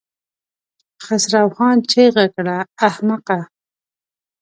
خسرو خان چيغه کړه! احمقه!